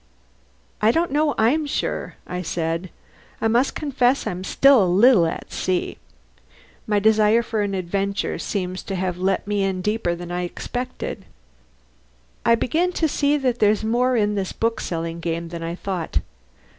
"I don't know I'm sure," I said. "I must confess I'm still a little at sea. My desire for an adventure seems to have let me in deeper than I expected. I begin to see that there's more in this bookselling game than I thought.